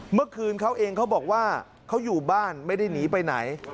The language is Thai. เมื่อคืนเขาเองเขาบอกว่าเขาอยู่บ้านไม่ได้หนีไปไหน